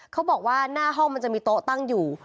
เขาบอกว่าหน้าห้องมันจะมีโต๊ะตั้งอยู่